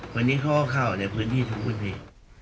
วันนี้เขาก็เข้าในพื้นที่ทุกพื้นที่